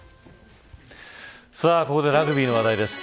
ここでラグビーの話題です。